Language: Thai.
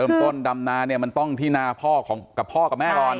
ต้นดำนาเนี่ยมันต้องที่นาพ่อกับพ่อกับแม่ก่อน